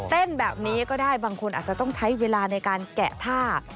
เต้นแบบนี้ก็ได้บางคนอาจจะต้องใช้เวลาในการแกะท่า